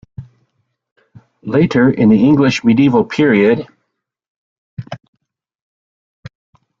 Later, in the English Medieval period.